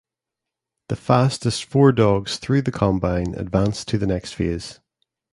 The fastest four dogs through the Combine advance to the next phase.